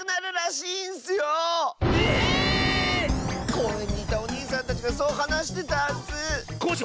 こうえんにいたおにいさんたちがそうはなしてたッス。